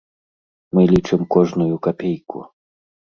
Мы лічым кожную капейку.